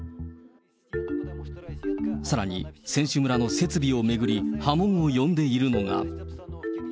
さらに選手村の設備を巡り、波紋を呼んでいるのが。